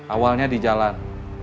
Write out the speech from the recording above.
awalnya di jalan